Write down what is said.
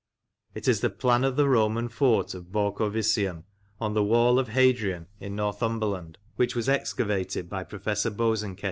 It is the plan of the Roman fort of Borcovicium, on the wall of Hadrian, in Northumberland, which was excavated by Professor Bosanquet in 1898.